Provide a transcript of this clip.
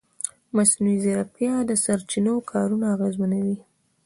مصنوعي ځیرکتیا د سرچینو کارونه اغېزمنوي.